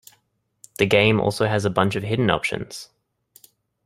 The game also has a bunch of hidden options.